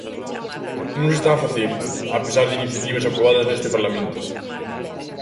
E non se está a facer, a pesar de iniciativas aprobadas neste Parlamento.